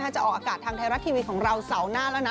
จะออกอากาศทางไทยรัฐทีวีของเราเสาร์หน้าแล้วนะ